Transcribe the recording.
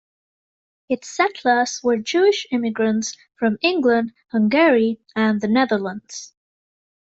Its settlers were Jewish immigrants from England, Hungary and the Netherlands.